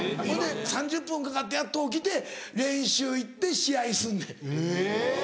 ほいで３０分かかってやっと起きて練習行って試合すんねん。